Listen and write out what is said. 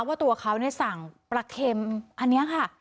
ว่าตัวเขาสั่งปลาเค็มอันนี้ค่ะ